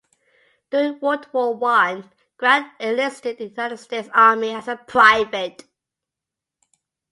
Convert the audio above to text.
During World War One, Grant enlisted in the United States Army as a private.